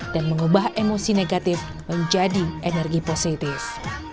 dan mengubah emosi negatif menjadi energi positif